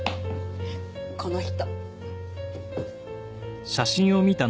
この人。